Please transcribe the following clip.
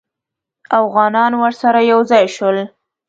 اوغانان ورسره یو ځای شول.